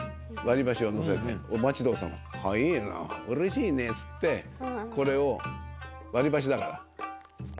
「早えぇなうれしいね」っつってこれを割り箸だから。